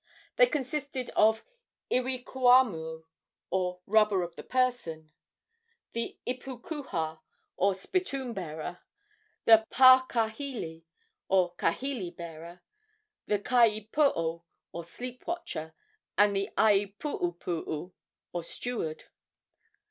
They consisted of the iwikuamoo, or rubber of the person; the ipukuha, or spittoon bearer; the paakahili, or kahili bearer; the kiaipoo, or sleep watcher; and the aipuupuu, or steward.